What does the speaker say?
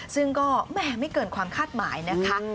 ซึ่งก็แม่ไม่เกินความคาดหมายนะคะ